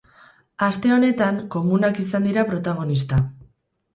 Aste honetan, komunak izan dira protagonista.